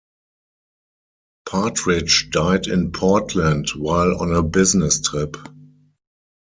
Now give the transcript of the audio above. Partridge died in Portland while on a business trip.